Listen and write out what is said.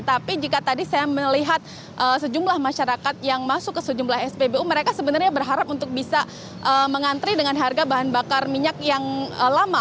tapi jika tadi saya melihat sejumlah masyarakat yang masuk ke sejumlah spbu mereka sebenarnya berharap untuk bisa mengantri dengan harga bahan bakar minyak yang lama